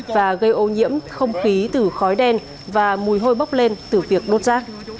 và gây ô nhiễm không khí từ khói đen và mùi hôi bốc lên từ việc đốt rác